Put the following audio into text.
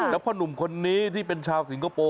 แล้วพ่อหนุ่มคนนี้ที่เป็นชาวสิงคโปร์